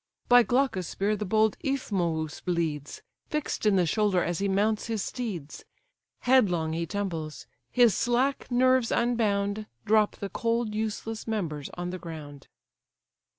By Glaucus' spear the bold Iphinous bleeds, Fix'd in the shoulder as he mounts his steeds; Headlong he tumbles: his slack nerves unbound, Drop the cold useless members on the ground.